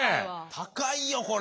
高いよこれ。